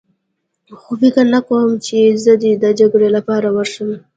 خو فکر نه کوم چې زه دې د جګړې لپاره ورشم.